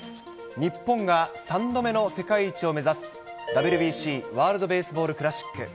日本が３度目の世界一を目指す、ＷＢＣ・ワールドベースボールクラシック。